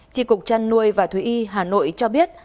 trị cục trăn nuôi và thúy y hà nội cho biết